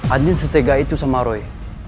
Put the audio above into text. andin setegah itu sama roy